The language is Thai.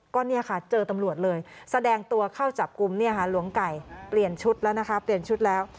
ก็เจอตำรวจเลยแสดงตัวเข้าจับกลุ่มหลวงไก่เปลี่ยนชุดแล้ว